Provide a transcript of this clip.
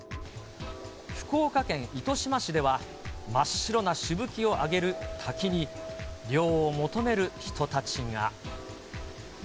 福岡県糸島市では、真っ白なしぶきを上げる滝に、涼を求める人たちが。